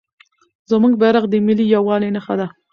زموږ بیرغ د ملي یووالي نښه ده.